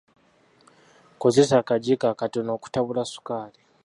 Kozesa akajjiiko akatono okutabula ssukaali.